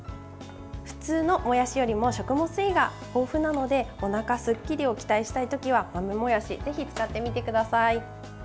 普通のもやしよりも食物繊維が豊富なのでおなかすっきりを期待したい時は豆もやしをぜひ使ってみてください。